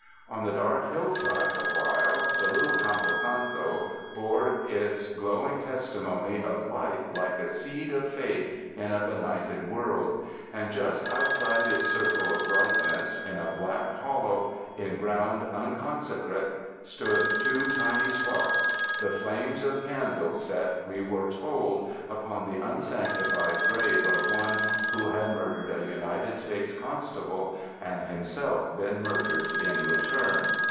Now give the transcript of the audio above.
On the dark hillside, the while, the little campo santo bore its glowing testimony of 101 UNDER THE SKY IN CALIFORNIA light like a seed of faith in a benighted world; and just outside its circle of brightness in a black hol low, in ground unconsecrate, shone two tiny sparks — the flames of candles set, we were told, upon the unsanctified grave of one who had murdered a United States constable and himself been murdered in return.